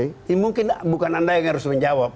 tapi mungkin bukan anda yang harus menjawab